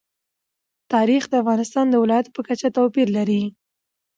تاریخ د افغانستان د ولایاتو په کچه توپیر لري.